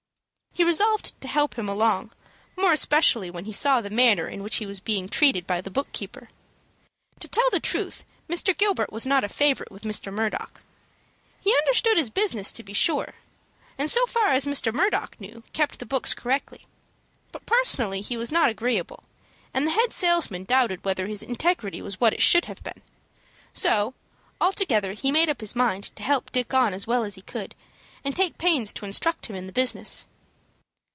He resolved to help him along, more especially when he saw the manner in which he was treated by the book keeper. To tell the truth, Mr. Gilbert was not a favorite with Mr. Murdock. He understood his business, to be sure, and, so far as Mr. Murdock knew, kept the books correctly. But personally he was not agreeable, and the head salesman doubted whether his integrity was what it should have been. So, altogether, he made up his mind to help Dick on as well as he could, and take pains to instruct him in the business.